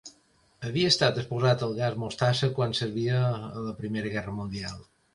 Havia estat exposat al gas mostassa quan servia a la Primera Guerra Mundial.